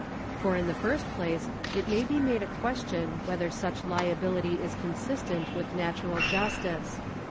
For in the first place it may be made a question whether such liability is consistent with natural justice.